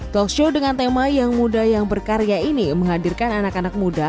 talk show dengan tema yang muda yang berkarya ini menghadirkan anak anak muda